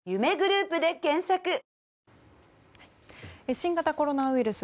新型コロナウイルス